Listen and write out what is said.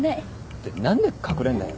って何で隠れんだよ。